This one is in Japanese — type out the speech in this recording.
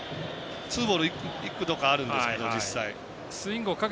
ツーボール幾度かあるんですけど、実際。